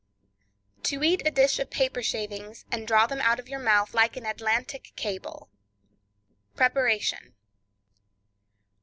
To Eat a Dish of Paper Shavings, and Draw Them Out of Your Mouth Like an Atlantic Cable.— Preparation.